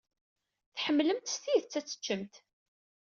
Tḥemmlemt s tidet ad teccemt.